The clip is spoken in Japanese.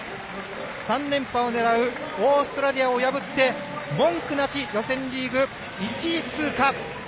３連覇を狙うオーストラリアを破って文句なし予選リーグ１位通過。